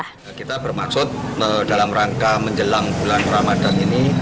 karena kita bermaksud dalam rangka menjelang bulan ramadan ini